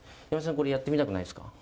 これやってみたくないですか？